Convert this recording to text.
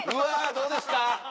どうですか？